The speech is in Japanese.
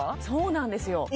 そうなんですよ